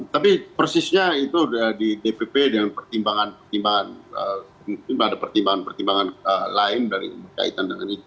tapi persisnya itu sudah di dpp dengan pertimbangan pertimbangan mungkin ada pertimbangan pertimbangan lain dari berkaitan dengan itu